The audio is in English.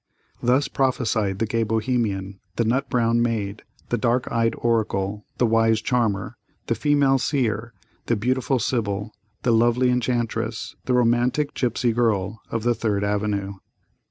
Thus prophesied the gay Bohemian, the nut brown maid, the dark eyed oracle, the wise charmer, the female seer, the beautiful sibyl, the lovely enchantress, the romantic "gipsy girl" of the Third Avenue.